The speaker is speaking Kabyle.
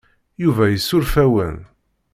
Yuba yessuref-awen.